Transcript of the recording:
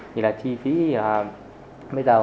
thì là chi phí bây giờ